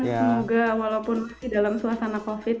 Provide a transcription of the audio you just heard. semoga walaupun masih dalam suasana covid